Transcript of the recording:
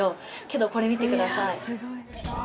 けどこれ見てください！